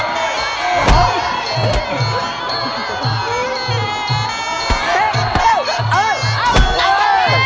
คือชิคกี้พาย